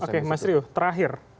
oke mas riu terakhir